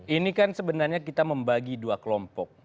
ini kan sebenarnya kita membagi dua kelompok